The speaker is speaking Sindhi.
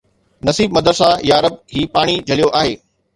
نصيب مدرسه يا رب، هي پاڻي جهليو آهي